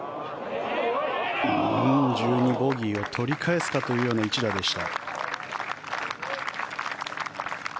１２のボギーを取り返すかというような一打でした。